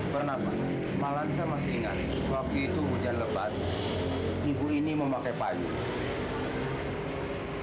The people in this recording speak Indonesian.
pernah malam saya masih ingat waktu itu hujan lebat ibu ini memakai payudu